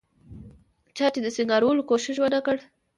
چا یې د سینګارولو کوښښ ونکړ.